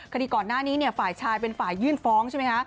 คดีก่อนหน้านี้ฝ่ายชายเป็นฝ่ายยื่นฟ้องใช่ไหมคะ